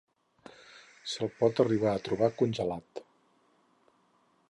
Se'l pot arribar a trobar congelat.